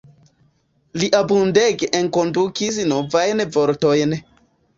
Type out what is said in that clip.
Li abundege enkondukis novajn vortojn.